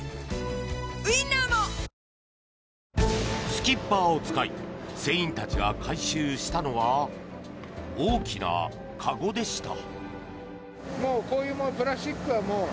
スキッパーを使い船員たちが回収したのは大きな籠でした。